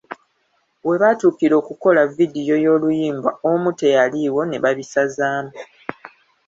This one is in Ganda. We baatuukira okukola vidiyo y’oluyimba omu teyaliiwo ne babisazaamu.